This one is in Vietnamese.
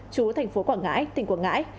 chú thành phố quảng ngãi tỉnh quảng ngãi